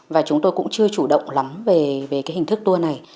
và chúng tôi cũng chưa chủ động lắm về cái hình thức tour này